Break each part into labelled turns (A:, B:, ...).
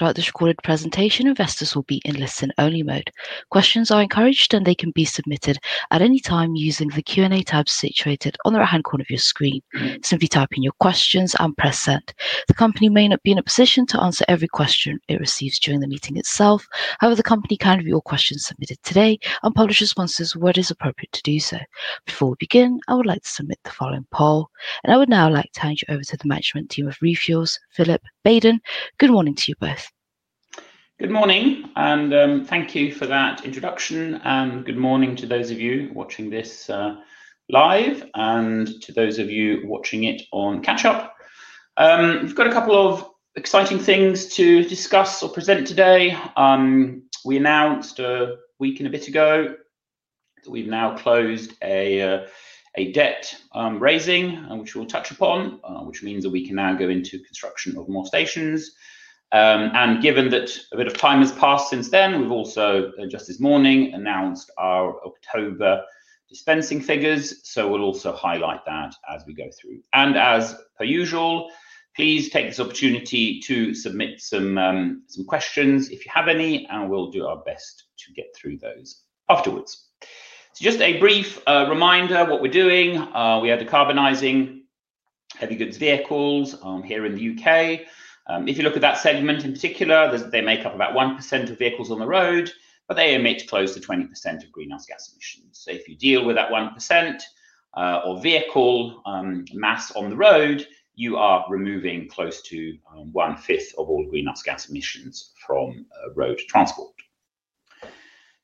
A: Throughout the recorded presentation, investors will be in listen-only mode. Questions are encouraged, and they can be submitted at any time using the Q&A tab situated on the right-hand corner of your screen. Simply type in your questions and press send. The company may not be in a position to answer every question it receives during the meeting itself. However, the company can review all questions submitted today and publish responses where it is appropriate to do so. Before we begin, I would like to submit the following poll, and I would now like to hand you over to the management team of ReFuels, Philip and Baden. Good morning to you both.
B: Good morning, and thank you for that introduction, and good morning to those of you watching this live and to those of you watching it on catch-up. We've got a couple of exciting things to discuss or present today. We announced a week and a bit ago that we've now closed a debt raising, which we'll touch upon, which means that we can now go into construction of more stations. Given that a bit of time has passed since then, we've also, just this morning, announced our October dispensing figures, so we'll also highlight that as we go through. As per usual, please take this opportunity to submit some questions if you have any, and we'll do our best to get through those afterwards. Just a brief reminder of what we're doing: we are decarbonizing heavy goods vehicles here in the U.K. If you look at that segment in particular, they make up about 1% of vehicles on the road, but they emit close to 20% of greenhouse gas emissions. If you deal with that 1% of vehicle mass on the road, you are removing close to one-fifth of all greenhouse gas emissions from road transport.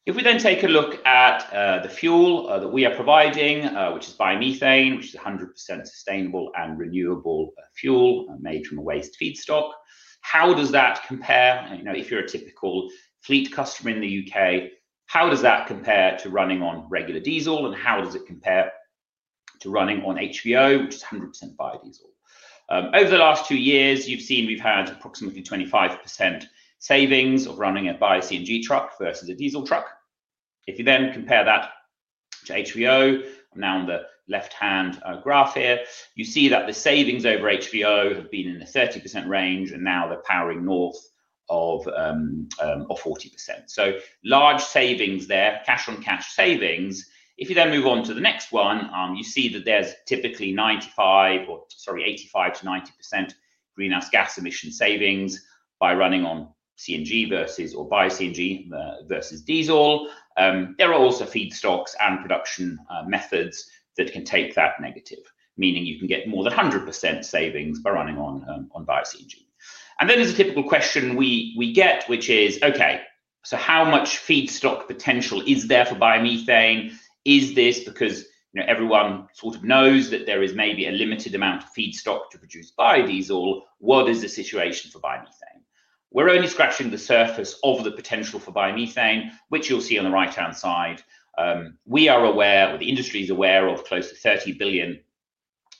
B: If we then take a look at the fuel that we are providing, which is biomethane, which is 100% sustainable and renewable fuel made from a waste feedstock, how does that compare? If you're a typical fleet customer in the U.K., how does that compare to running on regular diesel, and how does it compare to running on HVO, which is 100% biodiesel? Over the last two years, you've seen we've had approximately 25% savings of running a bio-CNG truck versus a diesel truck. If you then compare that to HVO, now on the left-hand graph here, you see that the savings over HVO have been in the 30% range, and now they're powering north of 40%. Large savings there, cash-on-cash savings. If you then move on to the next one, you see that there's typically 95 or, sorry, 85-90% greenhouse gas emission savings by running on CNG or bio-CNG versus diesel. There are also feedstocks and production methods that can take that negative, meaning you can get more than 100% savings by running on bio-CNG. Then there's a typical question we get, which is, okay, so how much feedstock potential is there for biomethane? Is this because everyone sort of knows that there is maybe a limited amount of feedstock to produce biodiesel? What is the situation for biomethane? We're only scratching the surface of the potential for biomethane, which you'll see on the right-hand side. We are aware, or the industry is aware of close to 30 billion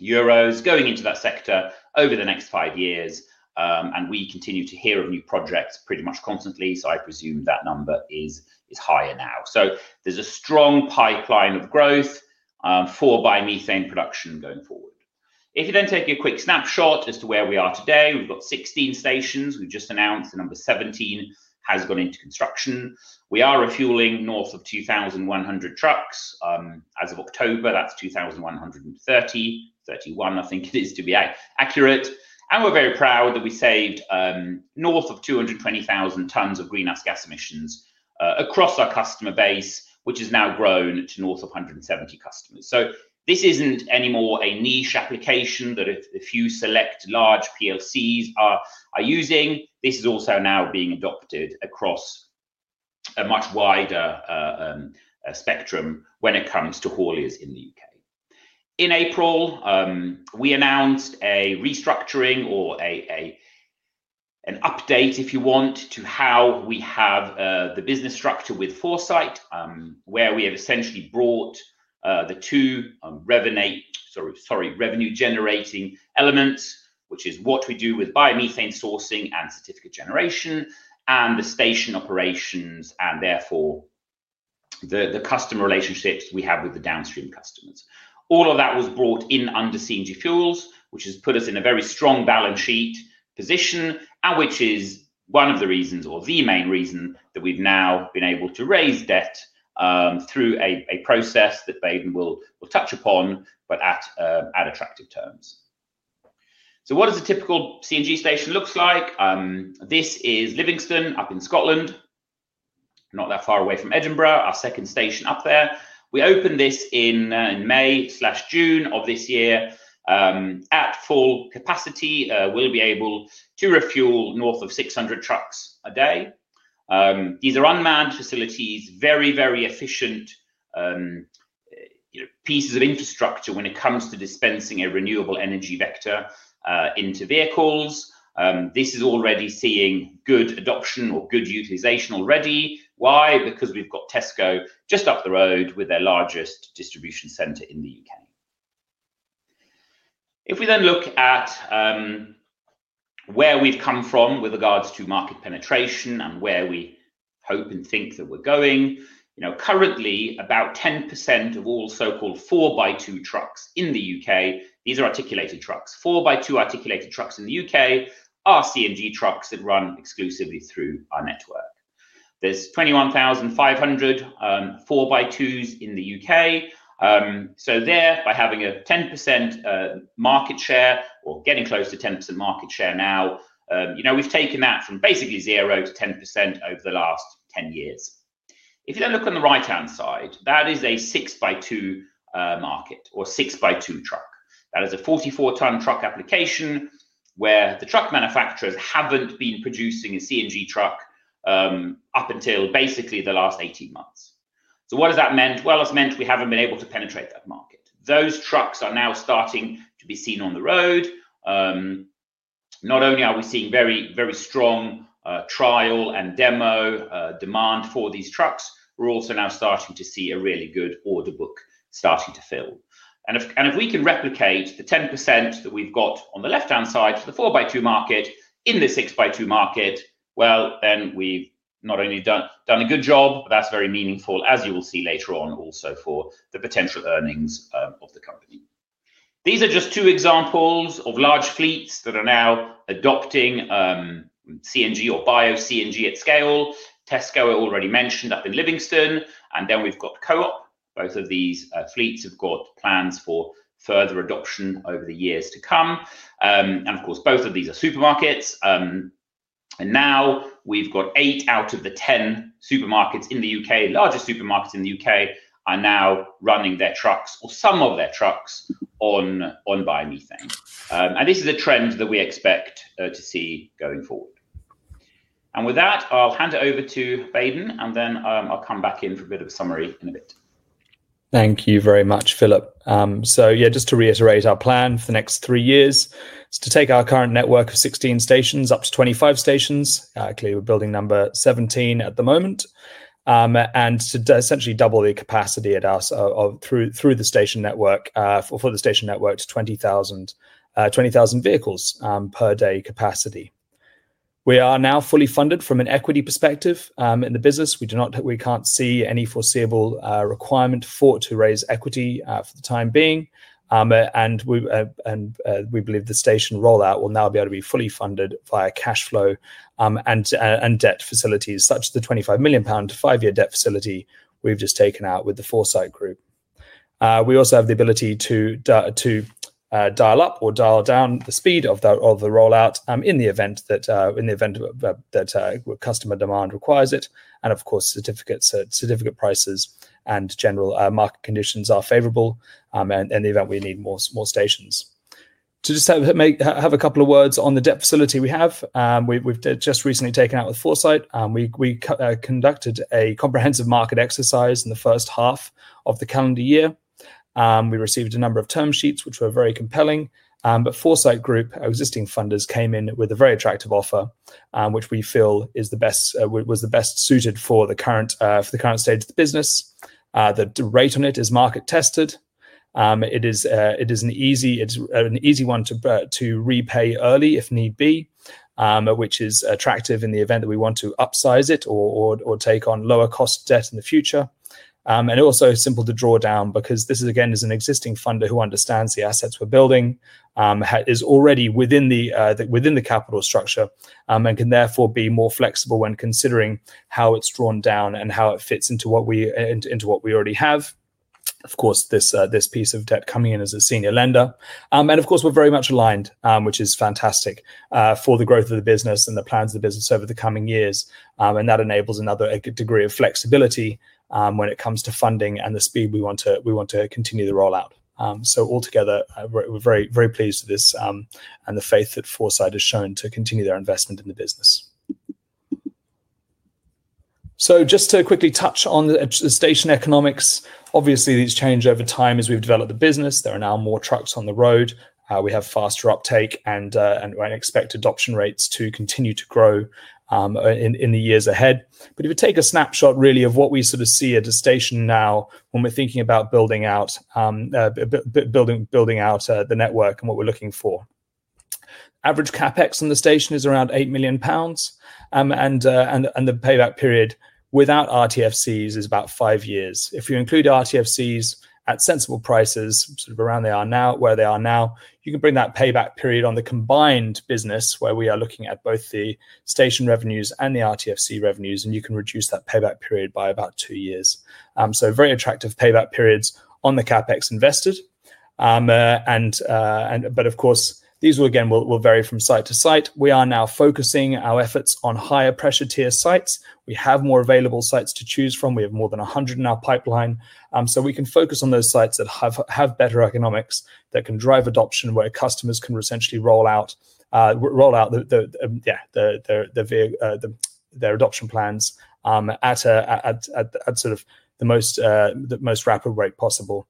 B: euros going into that sector over the next five years, and we continue to hear of new projects pretty much constantly, so I presume that number is higher now. There's a strong pipeline of growth for biomethane production going forward. If you then take a quick snapshot as to where we are today, we've got 16 stations. We've just announced that number 17 has gone into construction. We are refueling north of 2,100 trucks. As of October, that's 2,130, 31, I think it is to be accurate. We're very proud that we saved north of 220,000 tons of greenhouse gas emissions across our customer base, which has now grown to north of 170 customers. This is not anymore a niche application that a few select large PLCs are using. This is also now being adopted across a much wider spectrum when it comes to hauliers in the U.K. In April, we announced a restructuring or an update, if you want, to how we have the business structure with Foresight, where we have essentially brought the two revenue-generating elements, which is what we do with biomethane sourcing and certificate generation, and the station operations and therefore the customer relationships we have with the downstream customers. All of that was brought in under CNG Fuels, which has put us in a very strong balance sheet position, and which is one of the reasons, or the main reason, that we have now been able to raise debt through a process that Baden will touch upon, but at attractive terms. What does a typical CNG station look like? This is Livingston, up in Scotland. Not that far away from Edinburgh, our second station up there. We opened this in May/June of this year. At full capacity, we'll be able to refuel north of 600 trucks a day. These are unmanned facilities, very, very efficient pieces of infrastructure when it comes to dispensing a renewable energy vector into vehicles. This is already seeing good adoption or good utilization already. Why? Because we've got Tesco just up the road with their largest distribution center in the U.K. If we then look at where we've come from with regards to market penetration and where we hope and think that we're going, currently about 10% of all so-called 4x2 trucks in the U.K., these are articulated trucks. 4x2 articulated trucks in the U.K. are CNG trucks that run exclusively through our network. There's 21,500 4x2s in the U.K. So there, by having a 10% market share or getting close to 10% market share now, we've taken that from basically 0 to 10% over the last 10 years. If you then look on the right-hand side, that is a 6x2 market or 6x2 truck. That is a 44-ton truck application where the truck manufacturers haven't been producing a CNG truck up until basically the last 18 months. What has that meant? It has meant we haven't been able to penetrate that market. Those trucks are now starting to be seen on the road. Not only are we seeing very, very strong trial and demo demand for these trucks, we're also now starting to see a really good order book starting to fill. If we can replicate the 10% that we've got on the left-hand side for the 4x2 market in the 6x2 market, we have not only done a good job, but that is very meaningful, as you will see later on also for the potential earnings of the company. These are just two examples of large fleets that are now adopting CNG or bio-CNG at scale. Tesco I already mentioned up in Livingston, and then we have Co-op. Both of these fleets have plans for further adoption over the years to come. Of course, both of these are supermarkets. Now we have 8 out of the 10 supermarkets in the U.K., the largest supermarkets in the U.K., now running their trucks or some of their trucks on biomethane. This is a trend that we expect to see going forward. With that, I'll hand it over to Baden, and then I'll come back in for a bit of a summary in a bit.
C: Thank you very much, Philip. Yeah, just to reiterate our plan for the next three years, it's to take our current network of 16 stations up to 25 stations. Clearly, we're building number 17 at the moment. To essentially double the capacity through the station network for the station network to 20,000 vehicles per day capacity. We are now fully funded from an equity perspective in the business. We can't see any foreseeable requirement for it to raise equity for the time being. We believe the station rollout will now be able to be fully funded via cash flow and debt facilities, such as the 25 million pound five-year debt facility we've just taken out with the Foresight Group. We also have the ability to dial up or dial down the speed of the rollout in the event that customer demand requires it. Of course, certificate prices and general market conditions are favorable in the event we need more stations. To just have a couple of words on the debt facility we have, we have just recently taken out with Foresight. We conducted a comprehensive market exercise in the first half of the calendar year. We received a number of term sheets, which were very compelling. Foresight Group, our existing funders, came in with a very attractive offer, which we feel was the best suited for the current stage of the business. The rate on it is market-tested. It is an easy one to repay early if need be, which is attractive in the event that we want to upsize it or take on lower-cost debt in the future. It is also simple to draw down because this is, again, an existing funder who understands the assets we are building. Is already within. The capital structure and can therefore be more flexible when considering how it's drawn down and how it fits into what we already have. Of course, this piece of debt coming in as a senior lender. Of course, we're very much aligned, which is fantastic for the growth of the business and the plans of the business over the coming years. That enables another degree of flexibility when it comes to funding and the speed we want to continue the rollout. Altogether, we're very pleased with this and the faith that Foresight has shown to continue their investment in the business. Just to quickly touch on the station economics, obviously these change over time as we've developed the business. There are now more trucks on the road. We have faster uptake and we expect adoption rates to continue to grow in the years ahead. If you take a snapshot really of what we sort of see at the station now when we're thinking about building out the network and what we're looking for, average CapEx on the station is around 8 million pounds. The payback period without RTFCs is about five years. If you include RTFCs at sensible prices, sort of around where they are now, you can bring that payback period on the combined business where we are looking at both the station revenues and the RTFC revenues, and you can reduce that payback period by about two years. Very attractive payback periods on the CapEx invested. Of course, these will, again, vary from site to site. We are now focusing our efforts on higher pressure tier sites. We have more available sites to choose from. We have more than 100 in our pipeline. We can focus on those sites that have better economics that can drive adoption where customers can essentially roll out their adoption plans at sort of the most rapid rate possible.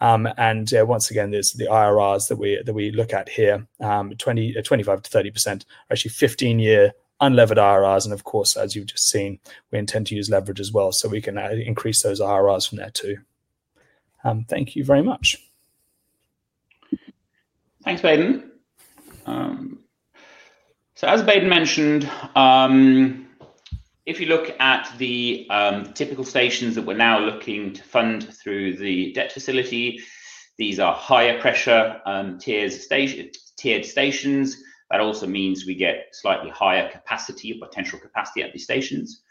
C: Once again, there are the IRRs that we look at here, 25-30%, actually 15-year unlevered IRRs. Of course, as you have just seen, we intend to use leverage as well so we can increase those IRRs from there too. Thank you very much.
B: Thanks, Baden. As Baden mentioned, if you look at the typical stations that we're now looking to fund through the debt facility, these are higher pressure tiered stations. That also means we get slightly higher capacity, potential capacity at these stations.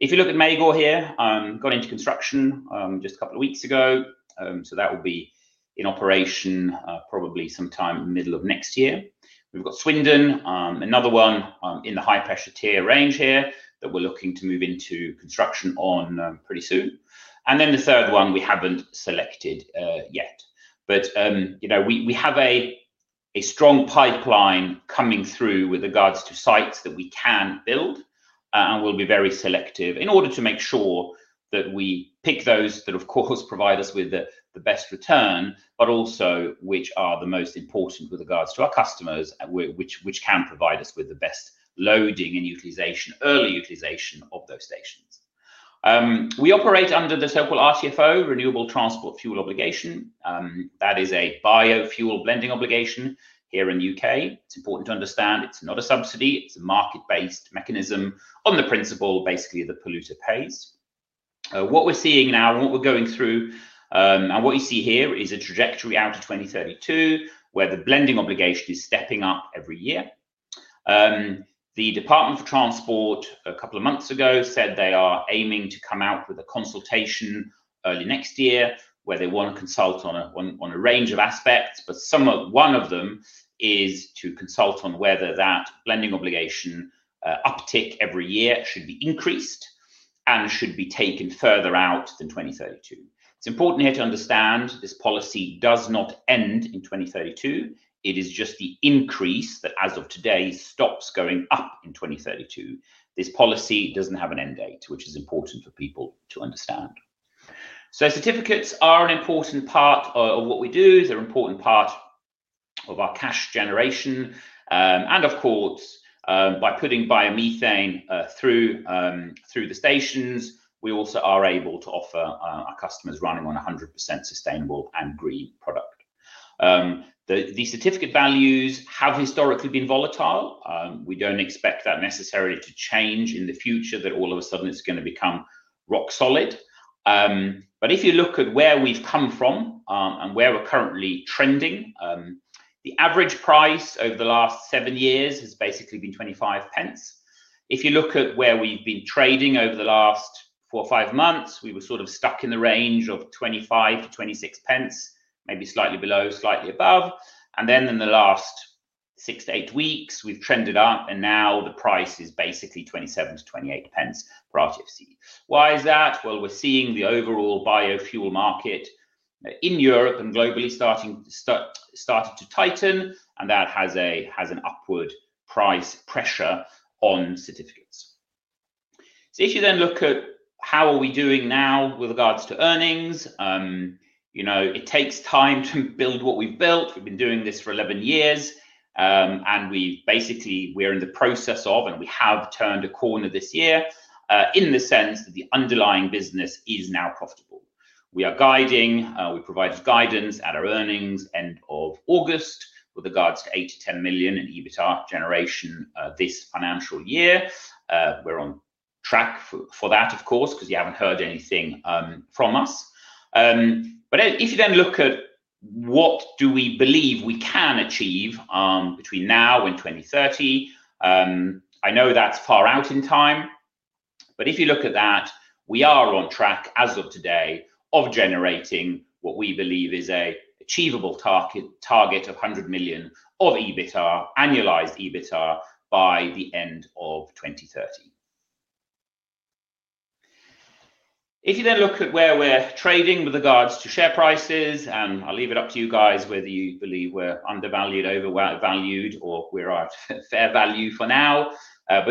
B: If you look at Magor here, got into construction just a couple of weeks ago. That will be in operation probably sometime in the middle of next year. We've got Swindon, another one in the high pressure tier range here that we're looking to move into construction on pretty soon. The third one we haven't selected yet. We have a strong pipeline coming through with regards to sites that we can build. We will be very selective in order to make sure that we pick those that, of course, provide us with the best return, but also which are the most important with regards to our customers, which can provide us with the best loading and early utilization of those stations. We operate under the so-called RTFO, Renewable Transport Fuel Obligation. That is a biofuel blending obligation here in the U.K. It's important to understand it's not a subsidy. It's a market-based mechanism on the principle, basically, the polluter pays. What we're seeing now and what we're going through. What you see here is a trajectory out to 2032 where the blending obligation is stepping up every year. The Department for Transport, a couple of months ago, said they are aiming to come out with a consultation early next year where they want to consult on a range of aspects, but one of them is to consult on whether that blending obligation uptick every year should be increased and should be taken further out than 2032. It is important here to understand this policy does not end in 2032. It is just the increase that, as of today, stops going up in 2032. This policy does not have an end date, which is important for people to understand. Certificates are an important part of what we do. They are an important part of our cash generation. Of course, by putting biomethane through the stations, we also are able to offer our customers running on a 100% sustainable and green product. These certificate values have historically been volatile. We don't expect that necessarily to change in the future, that all of a sudden it's going to become rock solid. If you look at where we've come from and where we're currently trending, the average price over the last seven years has basically been 25 pence. If you look at where we've been trading over the last four or five months, we were sort of stuck in the range of 25-26 pence, maybe slightly below, slightly above. In the last six to eight weeks, we've trended up, and now the price is basically 27-28 pence per RTFC. Why is that? We are seeing the overall biofuel market in Europe and globally started to tighten, and that has an upward price pressure on certificates. If you then look at how are we doing now with regards to earnings. It takes time to build what we've built. We've been doing this for 11 years. Basically, we're in the process of, and we have turned a corner this year in the sense that the underlying business is now profitable. We are guiding, we provide guidance at our earnings end of August with regards to 8-10 million in EBITDA generation this financial year. We're on track for that, of course, because you haven't heard anything from us. If you then look at what do we believe we can achieve between now and 2030. I know that's far out in time. If you look at that, we are on track as of today of generating what we believe is an achievable target of 100 million of EBITDA, Annualized EBITDA by the end of 2030. If you then look at where we're trading with regards to share prices, I'll leave it up to you guys whether you believe we're undervalued, overvalued, or we're at fair value for now.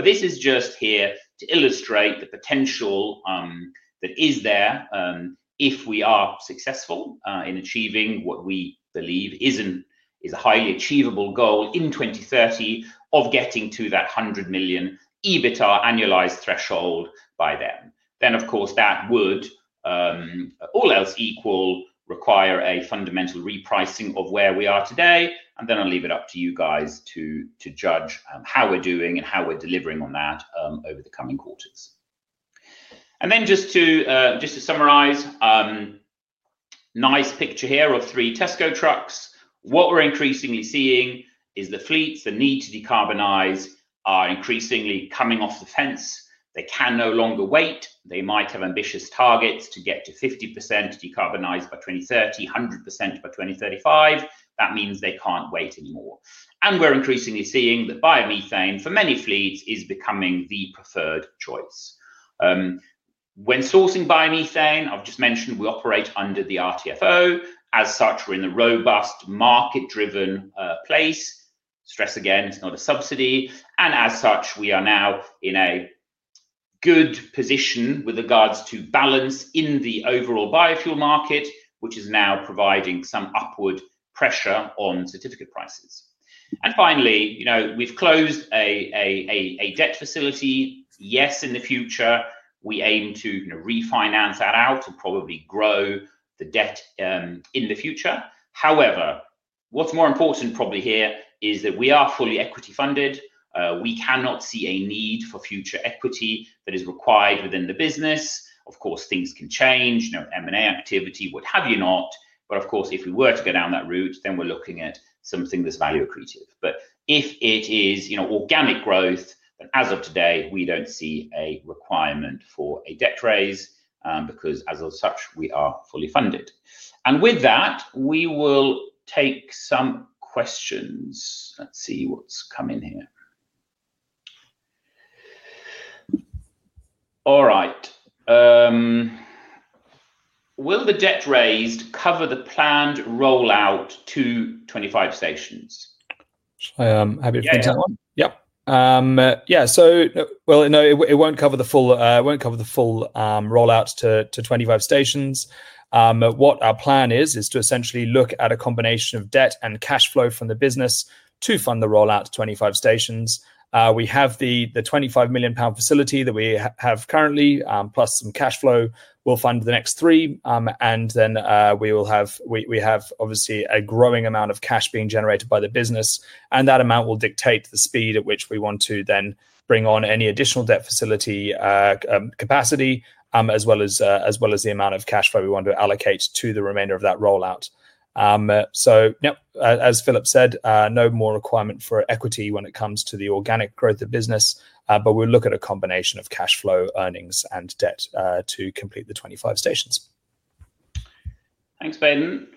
B: This is just here to illustrate the potential that is there if we are successful in achieving what we believe is a highly achievable goal in 2030 of getting to that $100 million EBITDA annualized threshold by then. Of course, that would, all else equal, require a fundamental repricing of where we are today. I'll leave it up to you guys to judge how we're doing and how we're delivering on that over the coming quarters. Just to summarize, nice picture here of three Tesco trucks. What we're increasingly seeing is the fleets, the need to decarbonize, are increasingly coming off the fence. They can no longer wait. They might have ambitious targets to get to 50% decarbonized by 2030, 100% by 2035. That means they can't wait anymore. We're increasingly seeing that biomethane for many fleets is becoming the preferred choice. When sourcing biomethane, I've just mentioned we operate under the RTFO. As such, we're in a robust market-driven place. I stress again, it's not a subsidy. As such, we are now in a good position with regards to balance in the overall biofuel market, which is now providing some upward pressure on certificate prices. Finally, we've closed a debt facility. Yes, in the future, we aim to refinance that out and probably grow the debt in the future. However, what's more important probably here is that we are fully equity funded. We cannot see a need for future equity that is required within the business. Of course, things can change, M&A activity, what have you not. Of course, if we were to go down that route, then we're looking at something that's value accretive. If it is organic growth, then as of today, we don't see a requirement for a debt raise because as of such, we are fully funded. With that, we will take some questions. Let's see what's come in here. All right. Will the debt raised cover the planned rollout to 25 stations?
C: Have you printed that one?
B: Yep.
C: Yeah. No, it will not cover the full, will not cover the full rollout to 25 stations. What our plan is, is to essentially look at a combination of debt and cash flow from the business to fund the rollout to 25 stations. We have the 25 million pound facility that we have currently, plus some cash flow. We will fund the next three. We have obviously a growing amount of cash being generated by the business. That amount will dictate the speed at which we want to then bring on any additional debt facility capacity, as well as the amount of cash flow we want to allocate to the remainder of that rollout. As Philip said, no more requirement for equity when it comes to the organic growth of business. We'll look at a combination of cash flow, earnings, and debt to complete the 25 stations.
B: Thanks, Baden.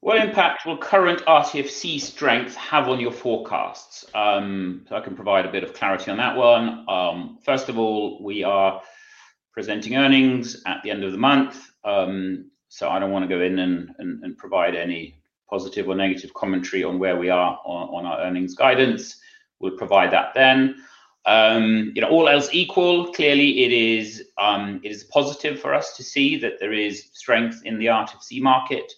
B: What impact will current RTFC strength have on your forecasts? I can provide a bit of clarity on that one. First of all, we are presenting earnings at the end of the month. I do not want to go in and provide any positive or negative commentary on where we are on our earnings guidance. We will provide that then. All else equal, clearly it is positive for us to see that there is strength in the RTFC market.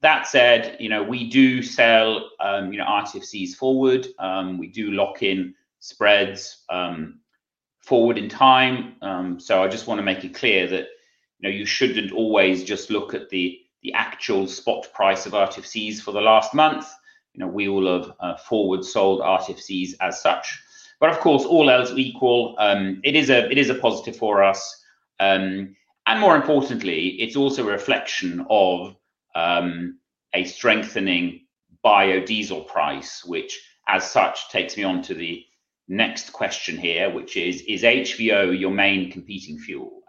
B: That said, we do sell RTFCs forward. We do lock in spreads forward in time. I just want to make it clear that you should not always just look at the actual spot price of RTFCs for the last month. We will have forward sold RTFCs as such. Of course, all else equal, it is a positive for us. More importantly, it is also a reflection of. A strengthening biodiesel price, which as such takes me on to the next question here, which is, is HVO your main competing fuel?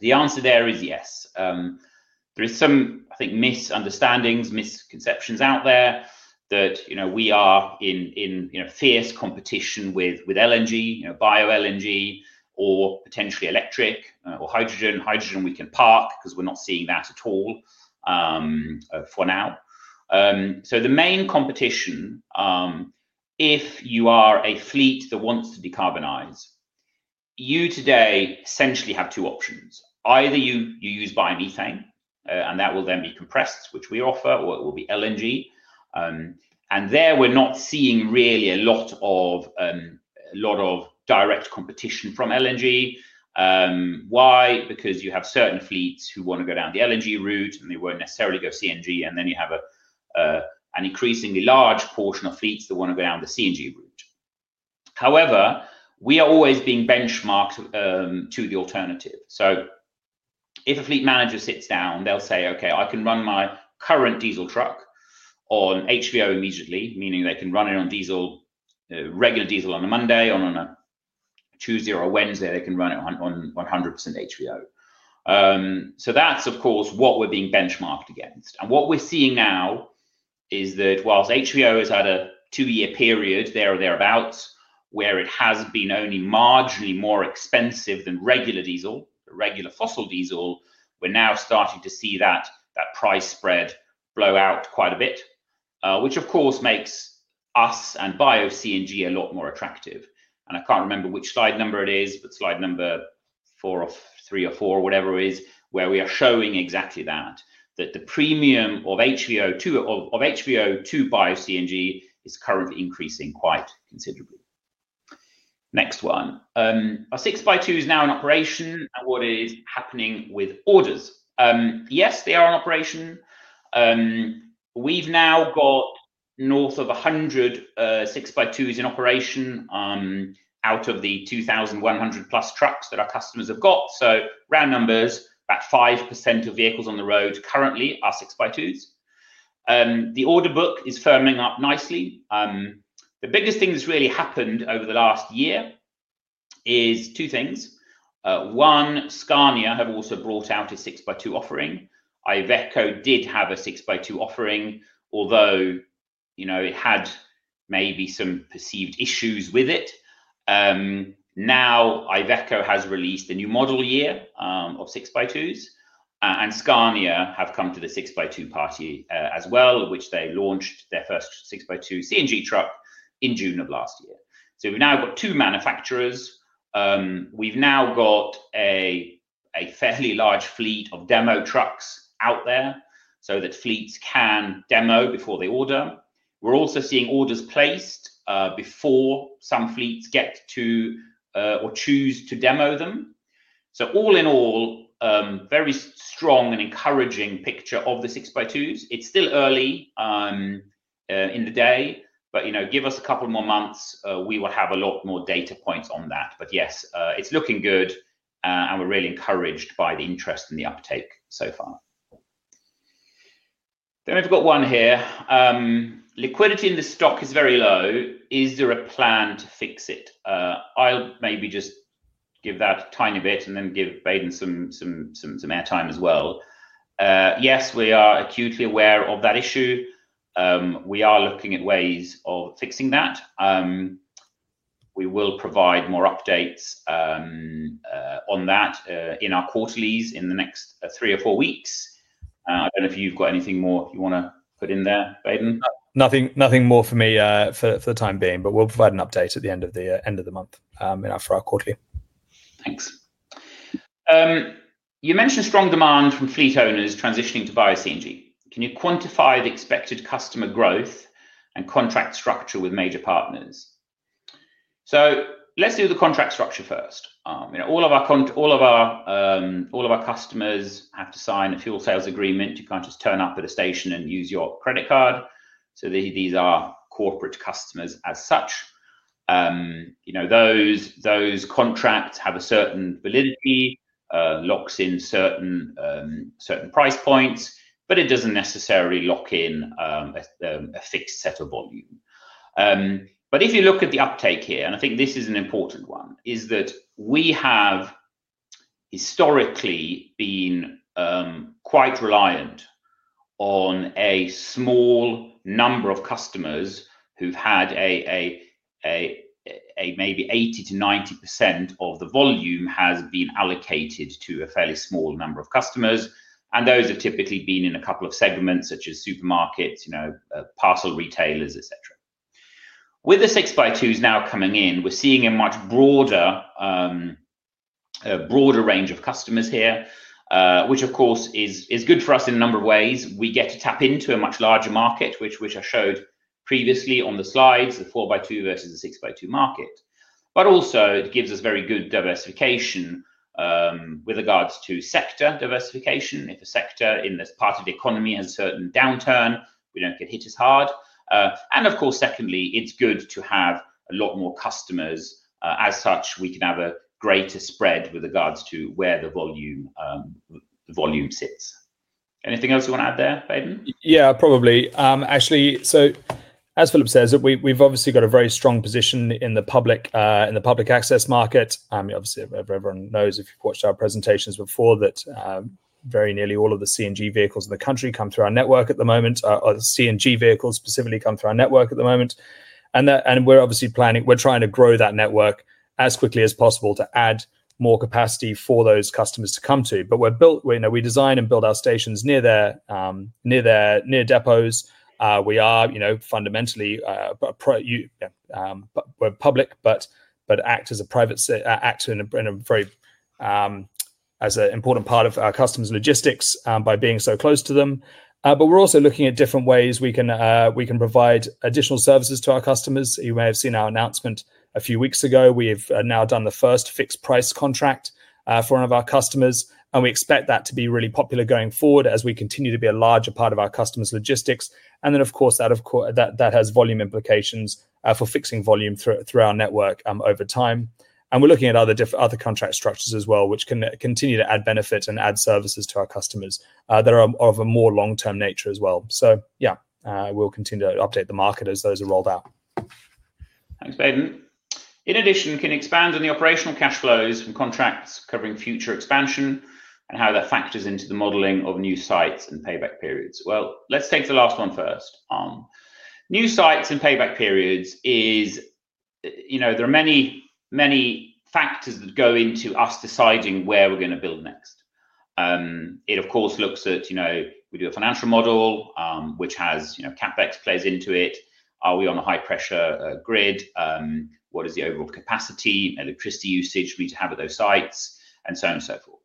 B: The answer there is yes. There are some, I think, misunderstandings, misconceptions out there that we are in fierce competition with LNG, Bio-LNG, or potentially electric or hydrogen. Hydrogen, we can park because we are not seeing that at all for now. The main competition, if you are a fleet that wants to decarbonize, you today essentially have two options. Either you use biomethane, and that will then be compressed, which we offer, or it will be LNG. We are not seeing really a lot of direct competition from LNG. Why? Because you have certain fleets who want to go down the LNG route, and they will not necessarily go CNG. Then you have an increasingly large portion of fleets that want to go down the CNG route. However, we are always being benchmarked to the alternative. If a fleet manager sits down, they'll say, "Okay, I can run my current diesel truck on HVO immediately," meaning they can run it on regular diesel on a Monday or on a Tuesday or a Wednesday, they can run it on 100% HVO. That is, of course, what we're being benchmarked against. What we're seeing now is that whilst HVO has had a two-year period there or thereabouts where it has been only marginally more expensive than regular diesel, regular fossil diesel, we're now starting to see that price spread blow out quite a bit, which of course makes us and bio-CNG a lot more attractive. I can't remember which slide number it is, but slide number. Three or four, whatever it is, where we are showing exactly that, that the premium of HVO to bio-CNG is currently increasing quite considerably. Next one. Our 6x2 is now in operation. What is happening with orders? Yes, they are in operation. We have now got north of 100 6x2s in operation out of the 2,100-plus trucks that our customers have got. So, round numbers, about 5% of vehicles on the road currently are 6x2s. The order book is firming up nicely. The biggest thing that has really happened over the last year is two things. One, Scania have also brought out a 6x2 offering. Iveco did have a 6x2 offering, although it had maybe some perceived issues with it. Now Iveco has released a new model year of 6x2s. Scania have come to the 6x2 party as well, which they launched their first 6x2 CNG truck in June of last year. We have now got two manufacturers. We have now got a fairly large fleet of demo trucks out there so that fleets can demo before they order. We are also seeing orders placed before some fleets get to or choose to demo them. All in all, very strong and encouraging picture of the 6x2s. It is still early in the day, but give us a couple more months, we will have a lot more data points on that. Yes, it is looking good. We are really encouraged by the interest and the uptake so far. We have got one here. Liquidity in the stock is very low. Is there a plan to fix it? I'll maybe just give that a tiny bit and then give Baden some airtime as well. Yes, we are acutely aware of that issue. We are looking at ways of fixing that. We will provide more updates on that in our quarterlies in the next three or four weeks. I don't know if you've got anything more you want to put in there, Baden?
C: Nothing more for me for the time being, but we'll provide an update at the end of the month for our quarterly.
B: Thanks. You mentioned strong demand from fleet owners transitioning to bio-CNG. Can you quantify the expected customer growth and contract structure with major partners? Let's do the contract structure first. All of our customers have to sign a fuel sales agreement. You can't just turn up at a station and use your credit card. These are corporate customers as such. Those contracts have a certain validity, lock in certain price points, but it doesn't necessarily lock in a fixed set of volume. If you look at the uptake here, and I think this is an important one, we have historically been quite reliant on a small number of customers who've had maybe 80-90% of the volume allocated to a fairly small number of customers. Those have typically been in a couple of segments such as supermarkets, parcel retailers, etc. With the 6x2s now coming in, we're seeing a much broader range of customers here, which of course is good for us in a number of ways. We get to tap into a much larger market, which I showed previously on the slides, the 4x2 versus the 6x2 market. It also gives us very good diversification with regards to sector diversification. If a sector in this part of the economy has a certain downturn, we do not get hit as hard. Of course, secondly, it is good to have a lot more customers. As such, we can have a greater spread with regards to where the volume sits. Anything else you want to add there, Baden?
C: Yeah, probably. Actually, as Philip says, we've obviously got a very strong position in the public access market. Obviously, everyone knows if you've watched our presentations before that very nearly all of the CNG vehicles in the country come through our network at the moment. CNG vehicles specifically come through our network at the moment. We're obviously planning, we're trying to grow that network as quickly as possible to add more capacity for those customers to come to. We design and build our stations near their depots. We are fundamentally public, but act as a private actor in a very important part of our customers' logistics by being so close to them. We're also looking at different ways we can provide additional services to our customers. You may have seen our announcement a few weeks ago. We have now done the first fixed price contract for one of our customers. We expect that to be really popular going forward as we continue to be a larger part of our customers' logistics. Of course, that has volume implications for fixing volume through our network over time. We are looking at other contract structures as well, which can continue to add benefits and add services to our customers that are of a more long-term nature as well. Yeah, we will continue to update the market as those are rolled out.
B: Thanks, Baden. In addition, can you expand on the operational cash flows from contracts covering future expansion and how that factors into the modeling of new sites and payback periods? Let's take the last one first. New sites and payback periods. There are many factors that go into us deciding where we're going to build next. It, of course, looks at—we do a financial model, which has CapEx plays into it. Are we on a high-pressure grid? What is the overall capacity, electricity usage we need to have at those sites, and so on and so forth.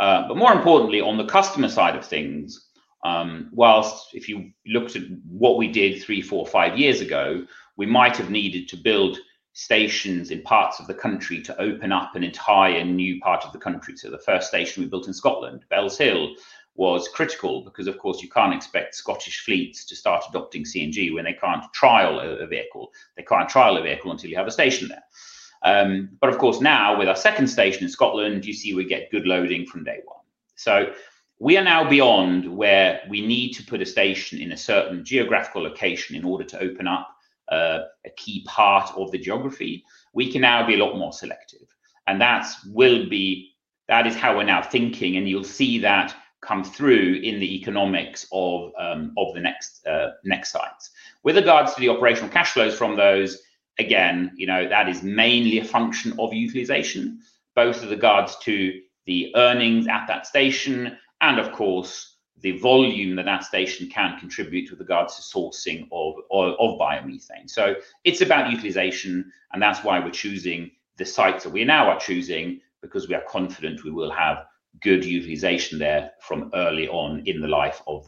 B: More importantly, on the customer side of things, whilst if you looked at what we did three, four, five years ago, we might have needed to build stations in parts of the country to open up an entire new part of the country. The first station we built in Scotland, Bellshill, was critical because, of course, you can't expect Scottish fleets to start adopting CNG when they can't trial a vehicle. They can't trial a vehicle until you have a station there. Of course, now with our second station in Scotland, you see we get good loading from day one. We are now beyond where we need to put a station in a certain geographical location in order to open up a key part of the geography. We can now be a lot more selective. That is how we're now thinking. You'll see that come through in the economics of the next sites. With regards to the operational cash flows from those, again, that is mainly a function of utilization, both with regards to the earnings at that station and, of course, the volume that that station can contribute with regards to sourcing of biomethane. It is about utilization. That is why we are choosing the sites that we now are choosing because we are confident we will have good utilization there from early on in the life of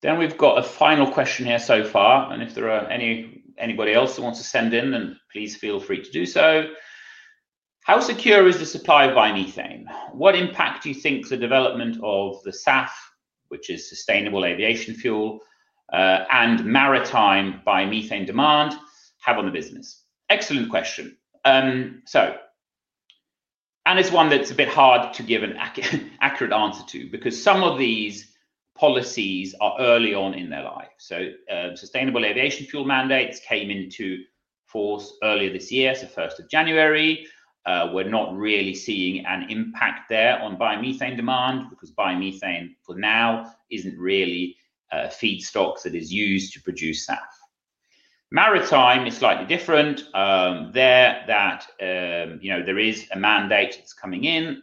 B: those sites. We have a final question here so far. If there are anybody else who wants to send in, then please feel free to do so. How secure is the supply of biomethane? What impact do you think the development of the SAF, which is sustainable aviation fuel, and maritime biomethane demand have on the business? Excellent question. It is one that is a bit hard to give an accurate answer to because some of these policies are early on in their life. Sustainable aviation fuel mandates came into force earlier this year, so 1st of January. We are not really seeing an impact there on biomethane demand because biomethane for now is not really a feedstock that is used to produce SAF. Maritime is slightly different. There is a mandate that is coming in. There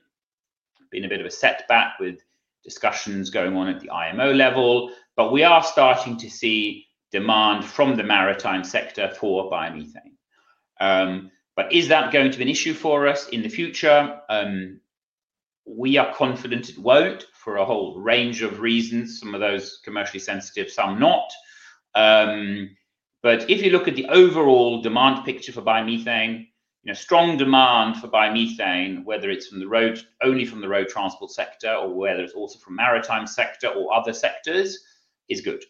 B: has been a bit of a setback with discussions going on at the IMO level. We are starting to see demand from the maritime sector for biomethane. Is that going to be an issue for us in the future? We are confident it will not for a whole range of reasons. Some of those are commercially sensitive, some not. If you look at the overall demand picture for biomethane, strong demand for biomethane, whether it's only from the road transport sector or whether it's also from the maritime sector or other sectors, is good.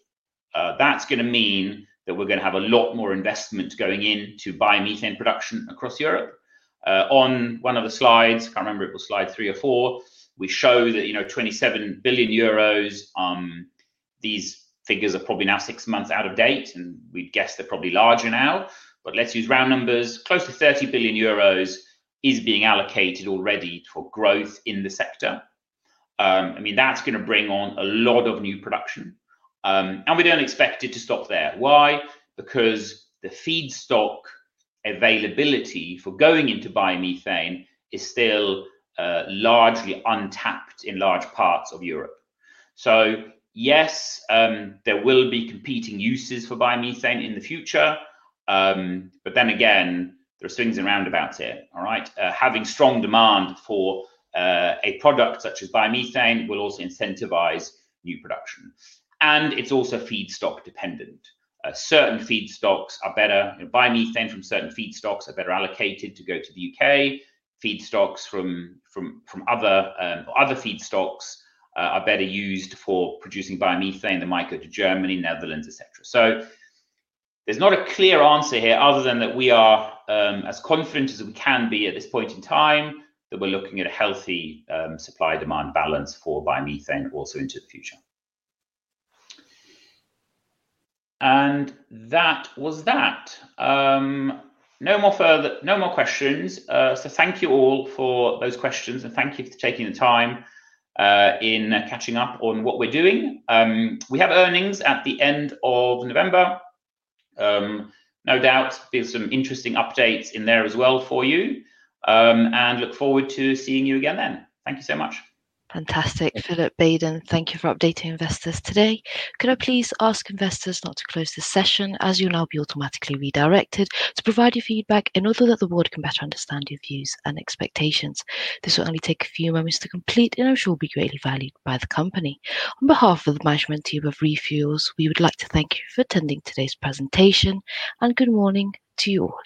B: That is going to mean that we are going to have a lot more investment going into biomethane production across Europe. On one of the slides, I can't remember if it was slide three or four, we show that 27 billion euros. These figures are probably now six months out of date, and we'd guess they're probably larger now. Let's use round numbers. Close to 30 billion euros is being allocated already for growth in the sector. I mean, that is going to bring on a lot of new production. We do not expect it to stop there. Why? Because the feedstock availability for going into biomethane is still largely untapped in large parts of Europe. Yes, there will be competing uses for biomethane in the future. Then again, there are swings and roundabouts here. Having strong demand for a product such as biomethane will also incentivize new production. It is also feedstock dependent. Certain feedstocks are better. Biomethane from certain feedstocks is better allocated to go to the U.K. Feedstocks from other feedstocks are better used for producing biomethane that might go to Germany, Netherlands, etc. There is not a clear answer here other than that we are as confident as we can be at this point in time that we are looking at a healthy supply-demand balance for biomethane also into the future. That was that. No more questions. Thank you all for those questions. Thank you for taking the time in catching up on what we are doing. We have earnings at the end of November. No doubt, there's some interesting updates in there as well for you. I look forward to seeing you again then. Thank you so much.
A: Fantastic. Philip, Baden, thank you for updating investors today. Could I please ask investors not to close the session as you'll now be automatically redirected to provide your feedback in order that the board can better understand your views and expectations? This will only take a few moments to complete, and it will surely be greatly valued by the company. On behalf of the management team of ReFuels, we would like to thank you for attending today's presentation. Good morning to you all.